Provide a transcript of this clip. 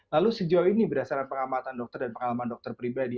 lalu sejauh ini berdasarkan pengamatan dokter dan pengalaman dokter pribadi